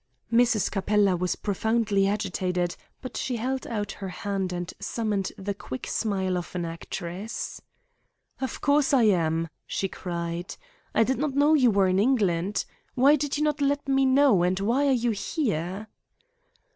Mrs. Capella was profoundly agitated, but she held out her hand and summoned the quick smile of an actress. "Of course I am," she cried. "I did not know you were in England. Why did you not let me know, and why are you here?"